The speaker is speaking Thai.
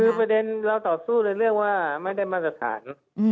คือประเด็นเราตอบสู้เลยเรียกว่าไม่ได้มาตรฐาน